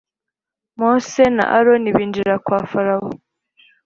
Mose na Aroni binjira kwa Farawo